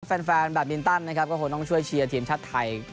แฟนแบบมินตันนะครับก็คงต้องช่วยเชียร์ทีมชาติไทย